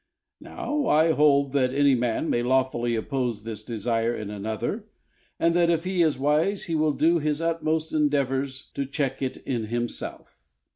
Now I hold that any man may lawfully oppose this desire in another; and that if he is wise, he will do his utmost endeavours to check it in himself.